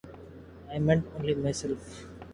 I meant only myself.